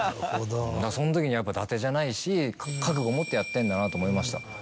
だからそのときにやっぱだてじゃないし覚悟を持ってやってんだなと思いました。